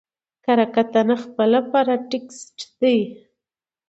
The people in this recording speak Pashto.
کره کتنه خپله پاراټيکسټ دئ.